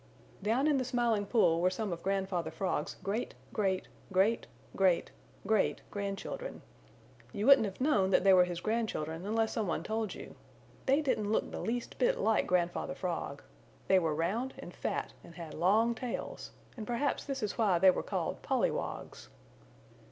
Down in the Smiling Pool were some of Grandfather Frog's great great great great great grandchildren. You wouldn't have known that they were his grandchildren unless some one told you. They didn't look the least bit like Grandfather Frog. They were round and fat and had long tails and perhaps this is why they were called Pollywogs.